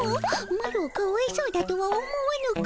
マロをかわいそうだとは思わぬか？